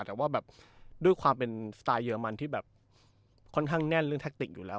แต่ว่าแบบด้วยความเป็นสไตล์เรมันที่แบบค่อนข้างแน่นเรื่องแท็กติกอยู่แล้ว